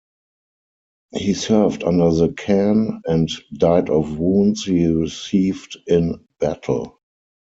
He served under the khan and died of wounds he received in battle.